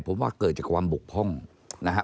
ผมว่าเกิดจากความบกพร่องนะฮะ